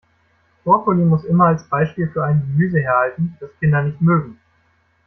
Brokkoli muss immer als Beispiel für ein Gemüse herhalten, das Kinder nicht mögen.